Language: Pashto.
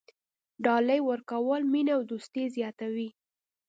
ډالۍ ورکول مینه او دوستي زیاتوي.